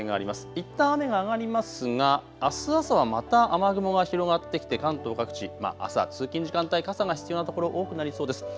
いったん雨が上がりますがあす朝はまた雨雲が広がってきて関東各地、あすは通勤時間帯、傘が必要な所、多くなりそうです。